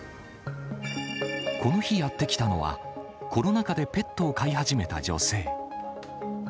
この日やってきたのは、コロナ禍でペットを飼い始めた女性。